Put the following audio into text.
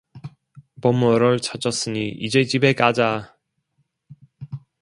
보물을 찾았으니 이제 집에 가자!